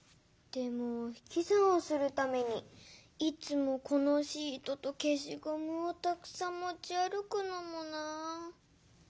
でもひきざんをするためにいつもこのシートとけしごむをたくさんもちあるくのもなあ。